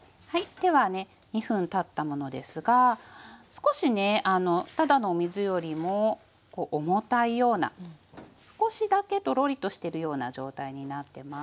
ではね２分たったものですが少しねただのお水よりも重たいような少しだけトロリとしてるような状態になってます。